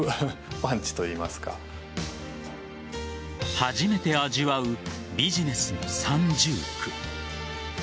初めて味わうビジネスの三重苦。